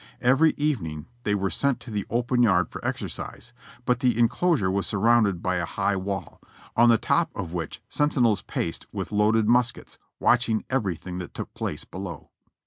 Every eve ning they were sent to the open yard for exercise, but the en closure was surrounded by a high wall, on the top of which senti nels paced with loaded muskets, watching everything that took place below.